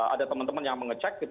ada teman teman yang mengecek gitu